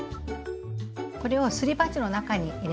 これをすり鉢の中に入れますね。